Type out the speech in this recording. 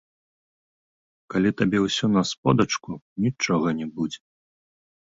Калі табе ўсё на сподачку, нічога не будзе.